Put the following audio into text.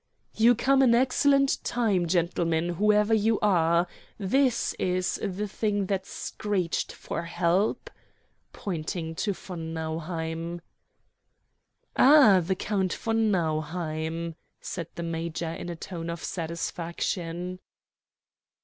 "You come in excellent time, gentlemen, whoever you are. This is the thing that screeched for help," pointing to von Nauheim. "Ah, the Count von Nauheim," said the major in a tone of satisfaction.